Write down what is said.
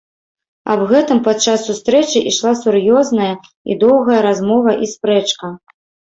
Аб гэтым падчас сустрэчы ішла сур'ёзная і доўгая размова і спрэчка.